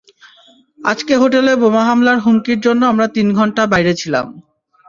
আজকে হোটেলে বোমা হামলার হুমকির জন্য আমরা তিন ঘণ্টা বাইরে ছিলাম।